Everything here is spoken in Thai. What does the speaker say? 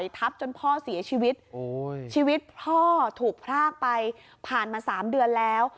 ทับจนพ่อเสียชีวิตชีวิตพ่อถูกพรากไปผ่านมา๓เดือนแล้ว